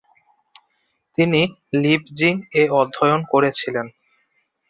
তিনি লিপজিং-এ অধ্যায়ন করেছিলেন।